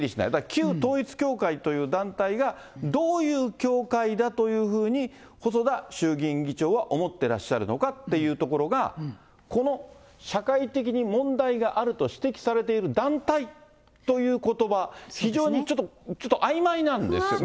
旧統一教会という団体がどういう教会だというふうに、細田衆議院議長は思ってらっしゃるのかというところが、この社会的に問題があると指摘されている団体ということば、非常にちょっとあいまいなんですよ。